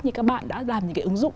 như các bạn đã làm những cái ứng dụng